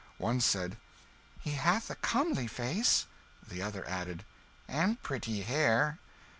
One said "He hath a comely face." The other added "And pretty hair."